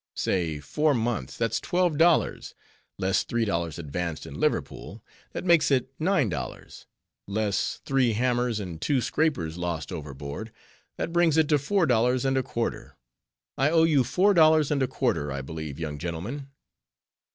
Say four months, that's twelve dollars; less three dollars advanced in Liverpool—that makes it nine dollars; less three hammers and two scrapers lost overboard— that brings it to four dollars and a quarter. I owe you four dollars and a quarter, I believe, young gentleman?"